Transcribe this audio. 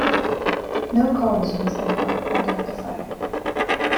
No cause was ever identified.